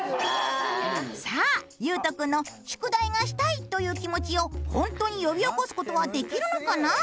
さあゆうとくんの宿題がしたいという気持ちをほんとに呼び起こす事はできるのかな！？